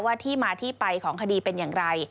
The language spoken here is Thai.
ที่มาที่ไปของคดีเป็นอย่างไร